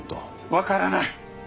わからない！